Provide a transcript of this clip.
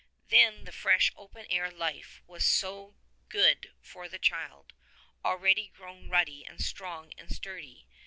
Then the fresh open air life was so good for the child, already grown ruddy and strong and sturdy.